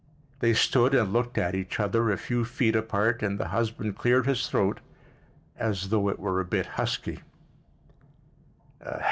They stood and looked at each other, a few feet apart, and the husband cleared his throat as though it were a bit husky.